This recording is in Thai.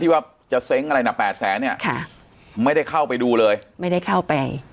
ว่าจะเซ้งอะไรนะแปดแสนเนี่ยค่ะไม่ได้เข้าไปดูเลยไม่ได้เข้าไป